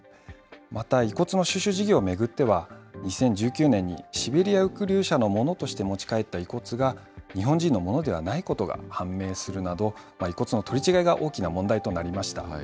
また、遺骨の収集事業を巡っては、２０１９年にシベリア抑留者のものとして持ち帰った遺骨が、日本人のものではないことが判明するなど、遺骨の取り違いが大きな問題となりました。